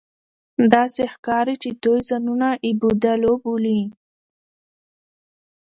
داسې ښکاري چې دوی ځانونه اېبودالو بولي